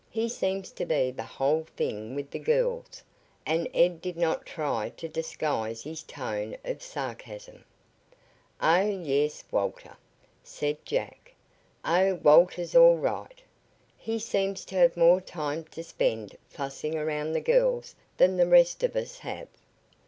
He seems to be the whole thing with the girls," and Ed did not try to disguise his tone of sarcasm. "Oh, yes Walter," said Jack. "Oh, Walter's all right. He seems to have more time to spend fussing around the girls than the rest of us have."